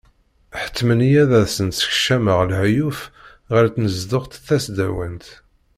Ḥettmen-iyi ad asen-sekcameɣ lahyuf ɣer tnezduɣt tasdawant.